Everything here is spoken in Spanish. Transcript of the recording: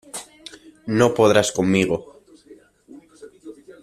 No podrás conmigo.